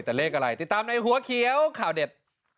แต่เลขอะไรติดตามในหัวเขียวข่าวเด็ด